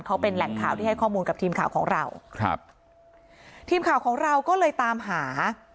เขาเป็นแหล่งข่าวที่ให้ข้อมูลกับทีมข่าวของเราครับทีมข่าวของเราก็เลยตามหา